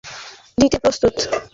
দুনিয়াকে পালটে দিতে প্রস্তুত?